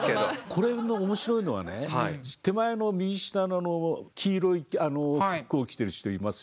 これの面白いのはね手前の右下の黄色い服を着てる人いますよね。